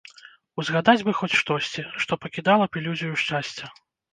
Узгадаць бы хоць штосьці, што пакідала б ілюзію шчасця.